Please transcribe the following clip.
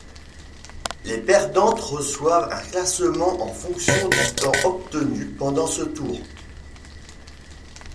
Les perdantes reçoivent un classement en fonction du temps obtenu pendant ce tour.